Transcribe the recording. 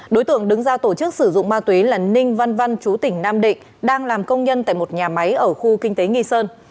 đối tượng đứng ra tổ chức sử dụng ma túy là ninh văn văn chú tỉnh nam định đang làm công nhân tại một nhà máy ở khu kinh tế nghi sơn